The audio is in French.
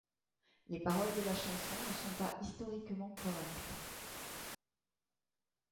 Les paroles de la chanson ne sont pas historiquement correctes.